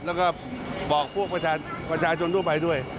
แล้วก็บอกพวกประชาชนทั่วไปด้วย